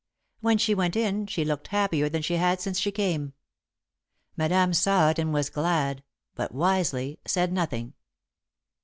When she went in, she looked happier than she had since she came. Madame saw it and was glad, but wisely said nothing.